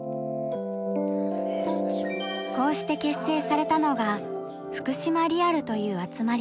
こうして結成されたのが「福島リアル」という集まりです。